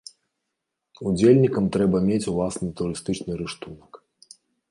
Удзельнікам трэба мець уласны турыстычны рыштунак.